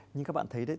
nhưng các bạn thấy đấy